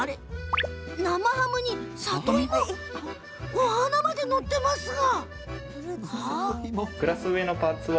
生ハムに里芋お花まで載ってますが。